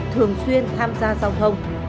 thường xuyên tham gia giao thông